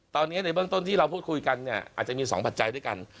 ตอนนี้ในเบื้องต้นที่เราพูดคุยกันเนี่ยอาจจะมี๒ปัจจัยด้วยกัน